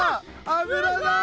油だ！